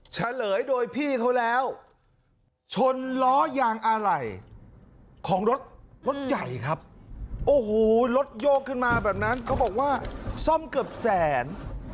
เฉลยโดยพี่เขาแล้วชนล้อยางอะไหล่ของรถรถใหญ่ครับโอ้โหรถโยกขึ้นมาแบบนั้นเขาบอกว่าซ่อมเกือบแสน